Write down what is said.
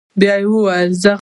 بيا وايم يه زه غلط سوى يم.